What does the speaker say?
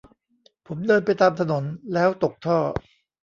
ผมเดินไปตามถนน แล้วตกท่อ